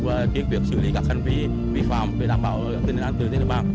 và tiết kiệm xử lý các hành vi vi phạm để đảm bảo tình hạn tử trên địa bàn